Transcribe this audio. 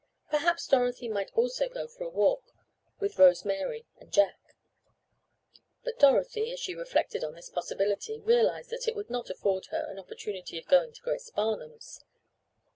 Perhaps Dorothy might also go for a walk, with Rose Mary and Jack. But, Dorothy, as she reflected on this possibility, realized that it would not afford her an opportunity of getting to Grace Barnum's.